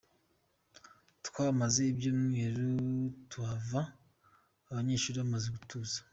Twahamaze icyumweru, tuhava abanyeshuri bamaze gutuza.